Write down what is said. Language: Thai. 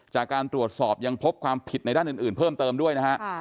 จากการตรวจสอบยังพบความผิดในด้านอื่นเพิ่มเติมด้วยนะฮะ